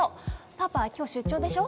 パパ今日出張でしょ？